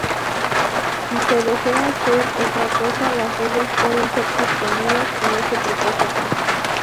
Si se desea hacer otra cosa, las reglas pueden ser suspendidas con ese propósito.